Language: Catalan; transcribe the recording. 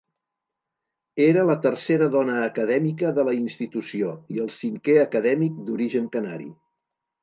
Era la tercera dona acadèmica de la institució i el cinquè acadèmic d'origen canari.